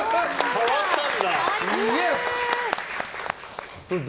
変わったんだ。